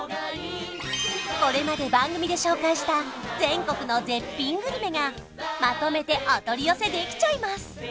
これまで番組で紹介した全国の絶品グルメがまとめてお取り寄せできちゃいます